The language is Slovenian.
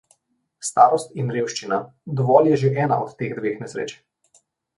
Starost in revščina - dovolj je že ena od teh dveh nesreč.